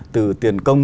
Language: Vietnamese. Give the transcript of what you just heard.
từ tiền công